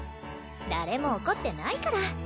誰も怒ってないから。